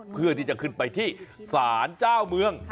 เพื่อที่จะขึ้นไปที่ศาลเจ้าเมือง